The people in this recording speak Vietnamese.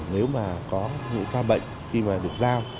nếu mà có những ca bệnh khi mà được giao